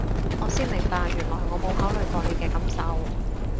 我先明白原來我冇考慮過你嘅感受